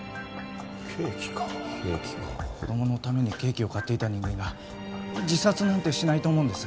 ケーキかケーキか子供にケーキを買っていた人間が自殺なんてしないと思うんです